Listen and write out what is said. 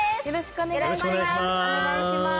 よろしくお願いします